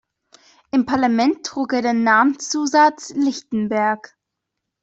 Im Parlament trug er den Namenszusatz "Lichtenberg".